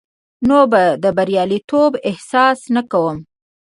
نو به د یوازیتوب احساس نه کوم